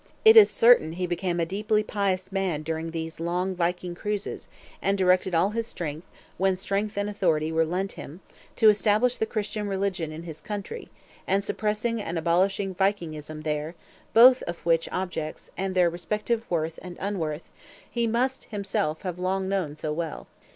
It is certain he became a deeply pious man during these long Viking cruises; and directed all his strength, when strength and authority were lent him, to establishing the Christian religion in his country, and suppressing and abolishing Vikingism there; both of which objects, and their respective worth and unworth, he, must himself have long known so well.